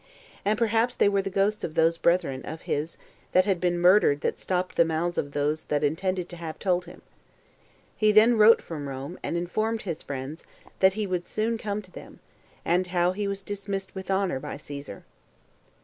And perhaps they were the ghosts of those brethren of his that had been murdered that stopped the mouths of those that intended to have told him. He then wrote from Rome, and informed his [friends] that he would soon come to them, and how he was dismissed with honor by Caesar.